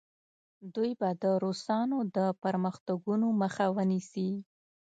دوی به د روسانو د پرمختګونو مخه ونیسي.